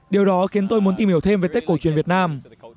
điều đó khiến tôi muốn tìm hiểu thêm về tết cổ truyền việt nam